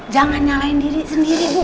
jangan nyalain diri sendiri bu